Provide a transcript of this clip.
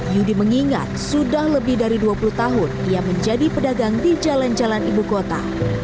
yudi mengingat sudah lebih dari dua puluh tahun ia menjadi pedagang di jalan jalan ibu kota